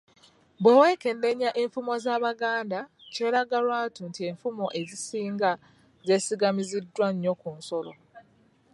Bwe wekenneenya enfumo z’Abaganda kyeraga lwatu nti enfumo ezisinga zeesigamiziddwa nnyo ku nsolo.